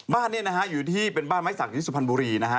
บ้านเนี่ยนะฮะอยู่ที่เป็นบ้านไม้สักที่สุพรรณบุรีนะฮะ